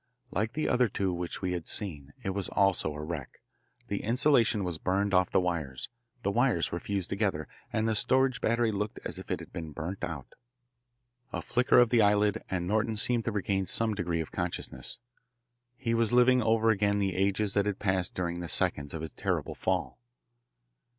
Like the other two which we had seen, it also was a wreck. The insulation was burned off the wires, the wires were fused together, and the storage battery looked as if it had been burned out. A flicker of the eyelid and Norton seemed to regain some degree of consciousness. He was living over again the ages that had passed during the seconds of his terrible fall.